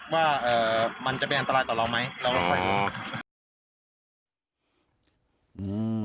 ว่ามันจะเป็นอันตรายต่อเราไหมแล้วเราค่อยอ๋อ